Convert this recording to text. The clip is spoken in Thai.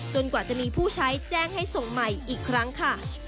กว่าจะมีผู้ใช้แจ้งให้ส่งใหม่อีกครั้งค่ะ